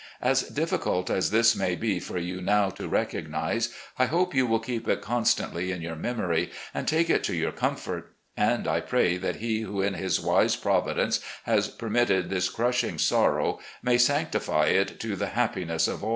As difficult as this may be for you now to recognise, I hope you will keep it constantly in your memory and take it to your comfort ; and I pray that He who in His wise Providence has permitted this crushing sorrow may sanctify it to the happiness of aU.